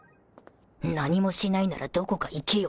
何もしないならどこか行けよ